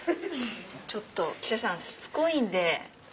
ちょっと記者さんしつこいんで。